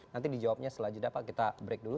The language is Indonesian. nanti dijawabnya setelah jeda pak kita break dulu